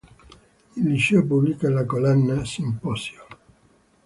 Il liceo pubblica la collana: "Simposio".